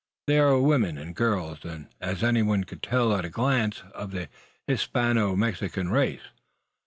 They are women and girls, and, as anyone could tell at a glance, of the Hispano Mexican race.